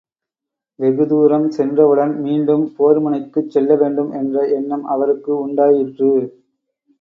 வெகு தூரம் சென்றவுடன் மீண்டும் போர் முனைக்குச் செல்லவேண்டும் என்ற எண்ணம் அவருக்கு உண்டாயிற்று.